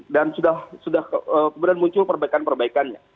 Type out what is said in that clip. dan sudah kemudian muncul perbaikan perbaikannya